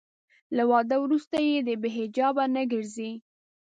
له واده وروسته دې بې حجابه نه ګرځي.